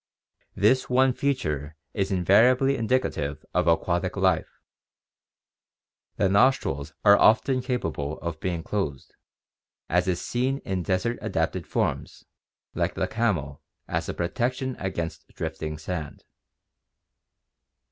This one feature is invariably indicative of aquatic life. The nostrils are often capable of being closed, as is also seen in desert adapted forms like the camel as a protection against drifting sand.